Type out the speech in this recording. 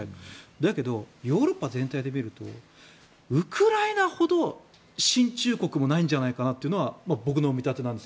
だけど、ヨーロッパ全体で見るとウクライナほど親中国はないんじゃないかなというのが僕の見立てなんです。